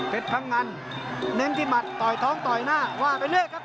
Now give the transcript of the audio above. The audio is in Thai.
พังงันเน้นที่หมัดต่อยท้องต่อยหน้าว่าไปเรื่อยครับ